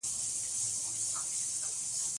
هلمند سیند د افغانانو د معیشت سرچینه ده.